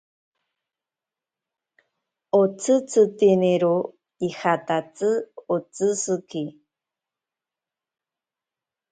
Otsitiniro ijatatsi otsishiki.